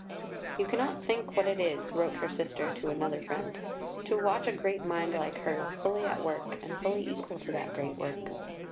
"You cannot think what it is," wrote her sister to another friend, "to watch a great mind like hers fully at work and fully equal to that great work.